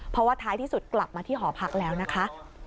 เพราะว่าท้ายที่สุดกลับมาที่หอพักแล้วนะคะ